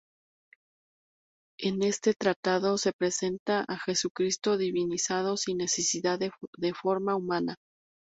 En este tratado, se presenta a un Jesucristo divinizado sin necesidad de forma humana.